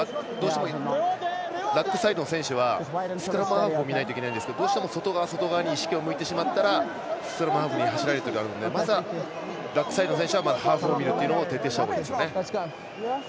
ラックサイドの選手はスクラムハーフを見ないといけないんですがどうしても外側に意識があるとスクラムハーフに走られてるのでラックサイドの選手はバックハーフを見るというのを徹底した方がいいですよね。